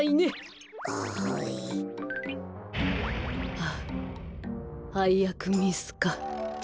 はあはいやくミスか。